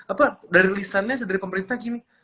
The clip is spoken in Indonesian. apa dari lisan nya dari pemerintah gini